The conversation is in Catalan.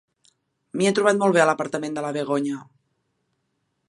M'hi he trobat molt bé a l'apartament de la Begoña